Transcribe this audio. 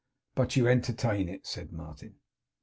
'But you entertain it?' said Martin.